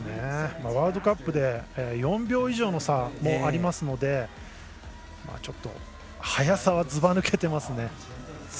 ワールドカップで４秒以上の差もありますので早さはずばぬけてますね。